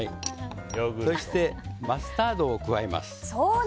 マスタードを加えます。